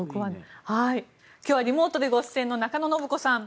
今日はリモートでご出演の中野信子さん。